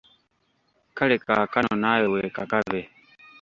Kale kaakano naawe weekakabe.